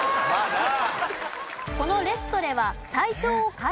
なあ。